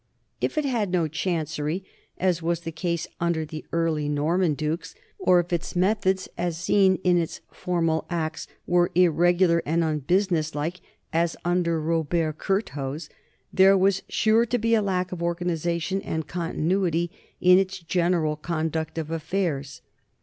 If it had no chan cery, as was the case under the early Norman dukes, or if its methods, as seen in its formal acts, were irregu lar and unbusinesslike, as under Robert Curthose, there was sure to be a lack of organization and continuity in its general conduct of affairs.